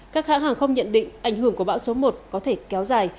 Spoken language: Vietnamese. các hãng hàng không nhận định ảnh hưởng của bão số một có thể kéo dài